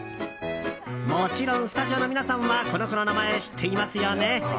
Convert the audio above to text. もちろんスタジオの皆さんはこの子の名前、知ってますよね？